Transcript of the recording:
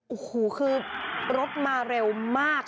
โอ้โหคือรถมาเร็วมาก